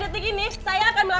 neger principal itu orang sra